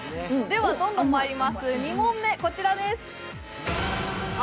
どんどんまいります、２問目こちらです。